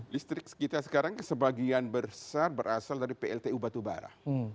listrik kita sekarang sebagian besar berasal dari pltu batubara